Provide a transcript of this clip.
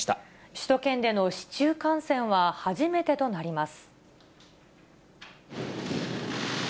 首都圏での市中感染は初めてとなります。